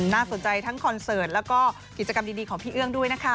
น่าสนใจทั้งคอนเสิร์ตแล้วก็กิจกรรมดีของพี่เอื้องด้วยนะคะ